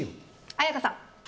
絢香さん。